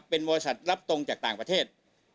เป็นบริษัทรับตรงจากต่างประเทศ